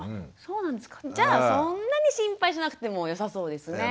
じゃあそんなに心配しなくてもよさそうですね。